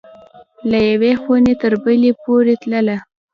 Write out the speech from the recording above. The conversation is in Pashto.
له یوې خوني تر بلي پوری تلله